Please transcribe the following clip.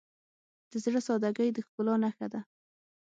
د زړه سادگی د ښکلا نښه ده.